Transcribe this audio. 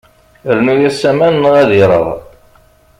Rnu-as aman neɣ ad ireɣ.